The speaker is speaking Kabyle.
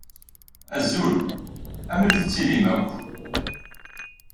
Azul, amel tettilim akk?